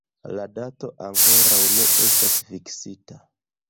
La dato ankoraŭ ne estas fiksita.